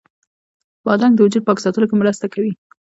بادرنګ د وجود پاک ساتلو کې مرسته کوي.